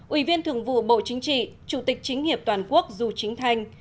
ủy viên thường vụ bộ chính trị chủ tịch chính hiệp toàn quốc du chính thanh